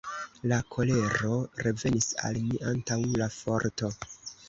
La kolero revenis al mi antaŭ la forto.